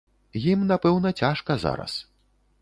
Ім, напэўна, цяжка зараз.